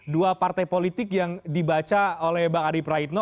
dua partai politik yang dibaca oleh bang adi praitno